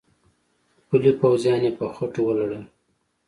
پلي پوځیان يې په خټو ولړل.